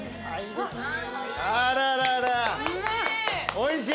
おいしい？